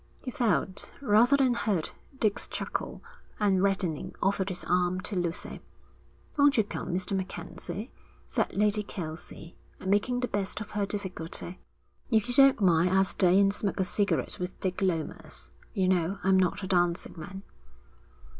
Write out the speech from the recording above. He felt, rather than heard, Dick's chuckle, and reddening, offered his arm to Lucy. 'Won't you come, Mr. MacKenzie?' said Lady Kelsey, making the best of her difficulty. 'If you don't mind, I'll stay and smoke a cigarette with Dick Lomas. You know, I'm not a dancing man.'